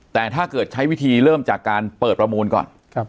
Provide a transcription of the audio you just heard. แต่ถ้าเกิดใช้วิธีเริ่มจากการเปิดประมูลก่อน